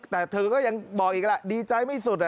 แต่เธอก็ยังบอกอีกล่ะดีใจไม่สุด